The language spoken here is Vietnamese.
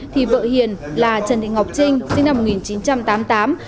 thì vợ hiền là trần thị ngọc trinh sinh năm một nghìn chín trăm tám mươi tám